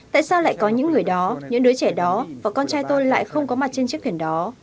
tại sao lại có những người đó những đứa trẻ đó và con trai tôi lại không có mặt trên chiếc thuyền đó